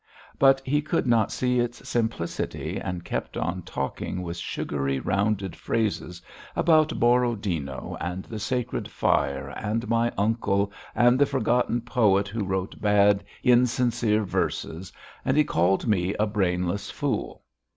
But he could not see its simplicity and kept on talking with sugary rounded phrases about Borodino and the sacred fire, and my uncle, and the forgotten poet who wrote bad, insincere verses, and he called me a brainless fool.